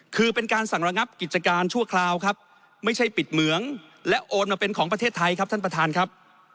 คือเป็นการสั่งระงับกิจการชั่วคราวครับไม่ใช่ปิดเหมืองและโอนมาเป็นของประเทศไทยครับท่านประธานครับ